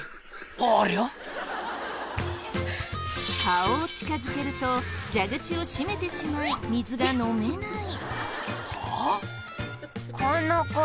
顔を近づけると蛇口を閉めてしまい水が飲めない。